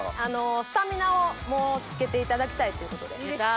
スタミナをつけていただきたいということで。